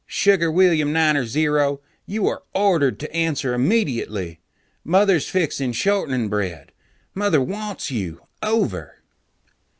"Sugar William Niner Zero, you are ordered to answer immediately. Mother's fixing shortening bread. Mother wants you. Over."